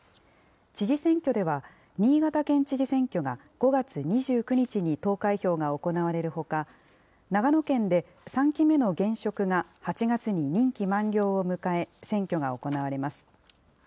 知事選挙では、新潟県知事選挙が５月２９日に投開票が行われるほか、長野県で３期目の現職が、８月に任期満了を迎え、選挙が行われます。